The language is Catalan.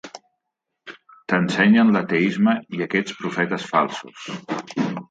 T'ensenyen l'ateisme i aquests profetes falsos.